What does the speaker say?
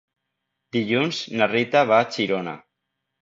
Dilluns na Rita va a Girona.